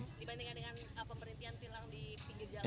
dibandingkan dengan pemerintian tilang di pinggir jalan